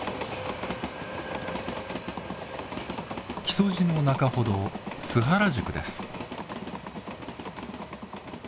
木曽路の中ほど須原宿です。